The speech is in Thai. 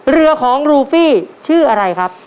เรือของรูฟี่ชื่ออะไรครับ